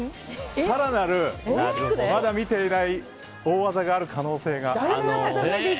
更なるまだ見ていない大技がある可能性が。